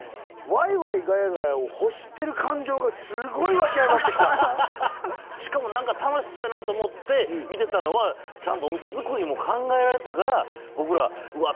ワイワイガヤガヤを欲してる感情がスゴい湧き上がってきたしかも何か楽しそうやなと思って見てたのはちゃんとお店作りも考えられたから僕らはうわ